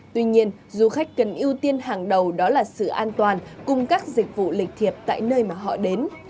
tuy nhiên du khách cần ưu tiên hàng đầu đó là sự an toàn cùng các dịch vụ lịch thiệp tại nơi mà họ đến